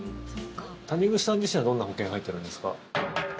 谷口さん自身はどんな保険、入ってるんですか？